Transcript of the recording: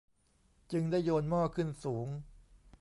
จึงได้โยนหม้อขึ้นสูง